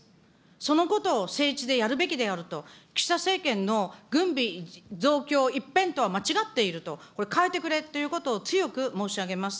そのことを政治でやるべきであると、岸田政権の軍備増強一辺倒は間違っていると、これ、変えてくれということを強く申し上げます。